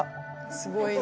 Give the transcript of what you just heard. すごいな。